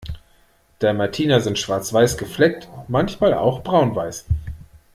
Dalmatiner sind schwarz-weiß gefleckt, manchmal auch braun-weiß.